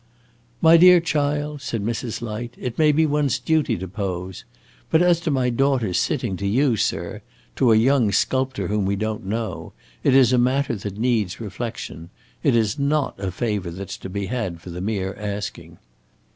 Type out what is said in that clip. "My dear child," said Mrs. Light, "it may be one's duty to pose. But as to my daughter's sitting to you, sir to a young sculptor whom we don't know it is a matter that needs reflection. It is not a favor that 's to be had for the mere asking."